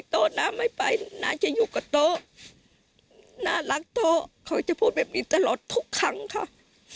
โต๊ะน้ำไม่ไปน้าจะอยู่กับโต๊ะน่ารักโต๊ะเขาจะพูดแบบนี้ตลอดทุกครั้งค่ะ